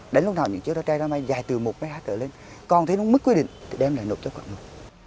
đến lúc nào những chiếc rơi tre rơi mây dài từ một m hai trở lên còn thấy nó mất quyết định thì đem lại nộp cho quả ngục